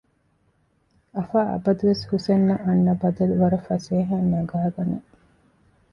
އަފާ އަބަދުވެސް ހުސެންއަށް އަންނަ ބަދަލު ވަރަށް ފަސޭހައިން ނަގައިގަނެ